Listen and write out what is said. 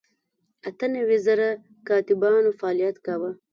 اته نوي زره کاتبانو فعالیت کاوه.